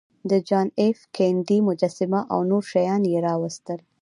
د جان ایف کینیډي مجسمه او نور شیان یې راویستل